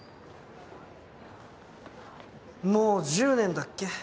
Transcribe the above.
もう１０年だっけ？